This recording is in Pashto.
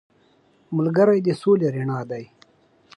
ملګری د سولې رڼا دی